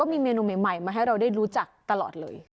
มีเมนูใหม่มาให้เราได้รู้จักตลอดเลย